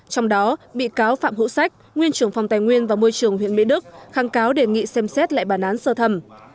trong đó bị cáo phạm hữu sách nguyên trưởng phòng tài nguyên và môi trường huyện mỹ đức kháng cáo đề nghị xem xét lại bản án sơ thẩm